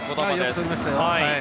よくとりましたよ。